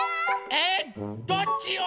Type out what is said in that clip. えどっちよ？